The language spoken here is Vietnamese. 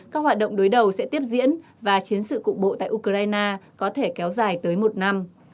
các hoạt động đối đầu sẽ tiếp diễn và chiến sự cục bộ tại ukraine có thể kéo dài tới một năm